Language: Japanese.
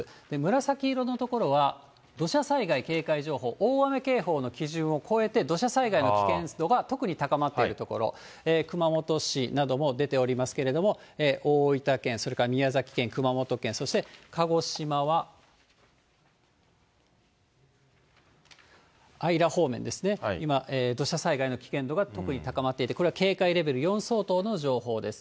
紫色の所は、土砂災害警戒情報、大雨警報の基準を超えて、土砂災害の危険度が特に高まっている所、熊本市なども出ておりますけれども、大分県、それから宮崎県、熊本県、そして鹿児島は姶良方面ですね、今、土砂災害の危険度が特に高まっていて、これは警戒レベル４相当の情報です。